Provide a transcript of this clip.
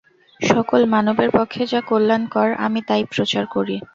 সকল মানবের পক্ষে যা কল্যাণকর, আমি তাই প্রচার করি।